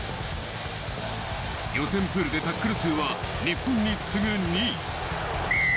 予選プールでタックル数は日本に次ぐ、２位。